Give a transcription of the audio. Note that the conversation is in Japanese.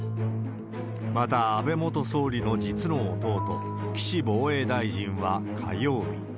また、あべもとそうりの実の弟、岸防衛大臣は火曜日。